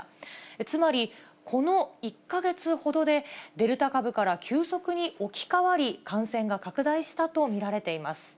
つまり、この１か月ほどで、デルタ株から急速に置き換わり、感染が拡大したと見られています。